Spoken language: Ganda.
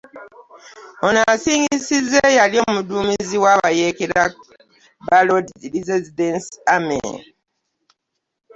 Eno esingisizza eyali omuduumizi w'abayeekera ba Lord's Resistance Army